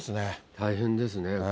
大変ですね。